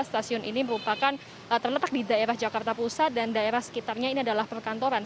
stasiun ini merupakan terletak di daerah jakarta pusat dan daerah sekitarnya ini adalah perkantoran